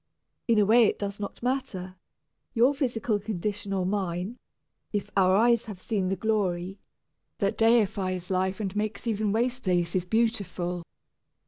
In a way it does not matter, your physical condition or mine, if our "eyes have seen the glory" that deifies life and makes even its waste places beautiful.